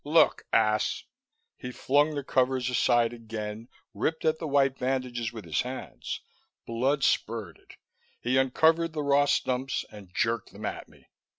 Look, ass!" He flung the covers aside again, ripped at the white bandages with his hands Blood spurted. He uncovered the raw stumps and jerked them at me.